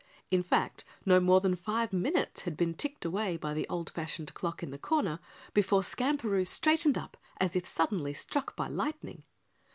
In fact, no more than five minutes had been ticked away by the old fashioned clock, in the corner before Skamperoo straightened up as if suddenly struck by lightning.